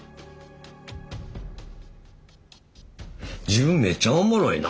自分めっちゃおもろいな。